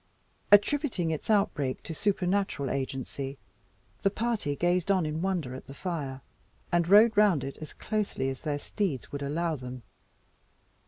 Attributing its outbreak to supernatural agency, the party gazed on in wonder at the fire, and rode round it as closely as their steeds would allow them.